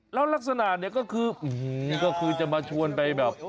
แล้วลักษณะเนี่ยก็คืออื้อหือก็คือจะมาชวนไปแบบ